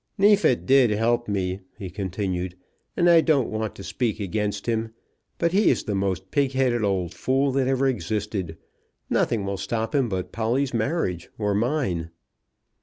"Neefit did help me," he continued, "and I don't want to speak against him; but he is the most pig headed old fool that ever existed. Nothing will stop him but Polly's marriage, or mine."